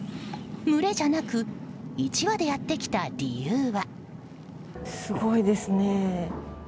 群れじゃなく１羽でやってきた理由は？